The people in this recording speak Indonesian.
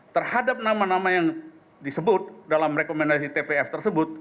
terhadap nama nama yang disebut dalam rekomendasi tpf tersebut